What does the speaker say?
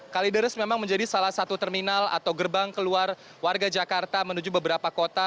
kalideres memang menjadi salah satu terminal atau gerbang keluar warga jakarta menuju beberapa kota